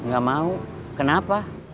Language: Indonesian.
gak mau kenapa